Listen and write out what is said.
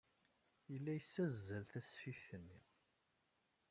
Yella yessazzal tasfift-nni.